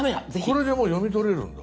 これでもう読み取れるんだ。